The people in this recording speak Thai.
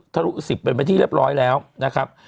ทะลุ๑๐เป็นไปที่เรียบร้อยแล้วนะครับ